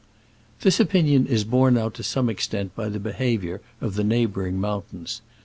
This opinion is borne out to some ex tent by the behavior of the neighboring mountains.